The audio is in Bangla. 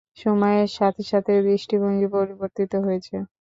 সময়ের সাথে সাথে দৃষ্টিভঙ্গি পরিবর্তিত হয়েছে।